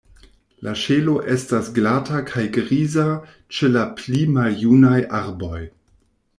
La ŝelo estas glata kaj griza ĉe la pli maljunaj arboj.